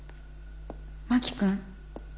真木君。